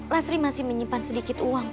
lasri masih menyimpan sedikit uang